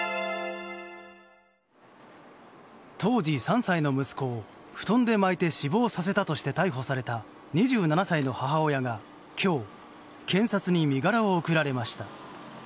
当時３歳の息子を布団で巻いて死亡させたとして逮捕された２７歳の母親が今日、検察に身柄を送られました。